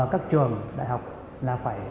các trường đại học là phải